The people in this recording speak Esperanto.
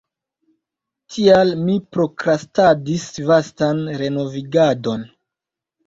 Tial mi prokrastadis vastan renovigadon.